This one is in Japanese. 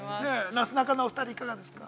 なすなかのお二人、いかがですか。